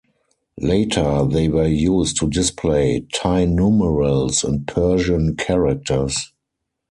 Later they were used to display Thai numerals and Persian characters.